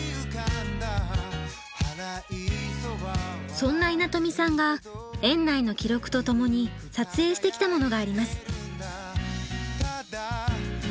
そんな稲富さんが園内の記録とともに撮影してきたものがあります。